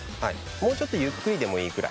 もうちょっとゆっくりでもいいくらい。